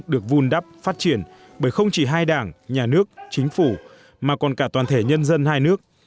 được vun đắp phát triển bởi không chỉ hai đảng nhà nước chính phủ mà còn cả toàn thể nhân dân hai nước